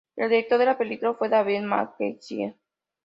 El director de la película fue David Mackenzie.